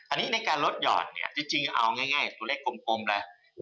อันนี้ในการลดหยอดเนี่ยจริงเอาง่ายตัวเลขกลมนะ